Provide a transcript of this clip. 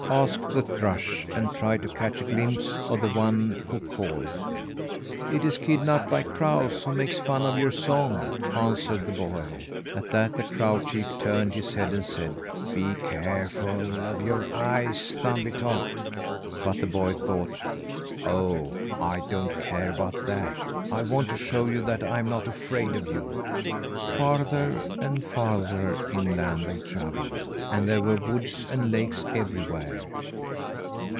asked the thrush, and tried to catch a glimpse of the one who called. "It is Kidnapped by Crows who makes fun of your song," answered the boy. At that, the crow chief turned his head and said: "Be careful of your eyes, Thumbietot!" But the boy thought, "Oh! I don't care about that. I want to show you that I'm not afraid of you!" Farther and farther inland they travelled; and there were woods and lakes everywhere.